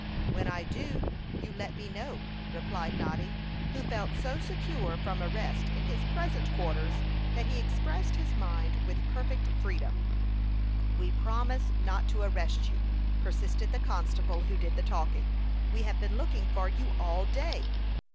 "When I do, you let me know," replied Noddy, who felt so secure from arrest in his present quarters that he expressed his mind with perfect freedom. "We promise not to arrest you," persisted the constable who did the talking. "We have been looking for you all day."